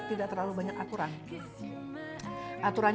ya diikuti mereka mau kemana karena aku tuh tipe ibu yang